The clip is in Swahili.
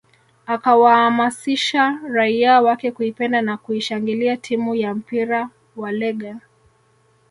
Akawaamasisha raia wake kuipenda na kuishangilia timu ya mpira wa Legger